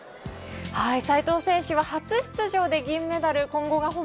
斉藤選手は初出場で銀メダル。